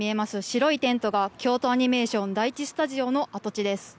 白いテントが京都アニメーション第１スタジオの跡地です。